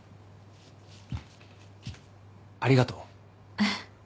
ありがとう。